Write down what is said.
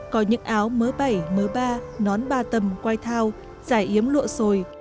có những áo mớ bảy mớ ba nón ba tầm quay thao giải yếm lụa sồi